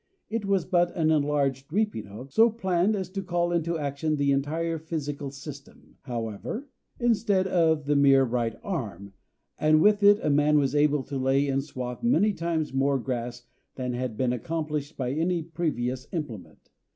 It was but an enlarged reaping hook, so planned as to call into action the entire physical system, however, instead of the mere right arm, and with it a man was able to lay in swath many times more grass than had been accomplished by any previous implement.